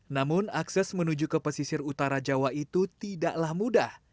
namun akses menuju ke pesisir utara jawa itu tidaklah mudah